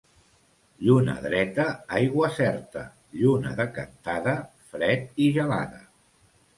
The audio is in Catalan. Lluna dreta, aigua certa; lluna decantada, fred i gelada.